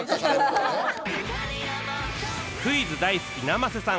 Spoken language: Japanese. クイズ大好き生瀬さん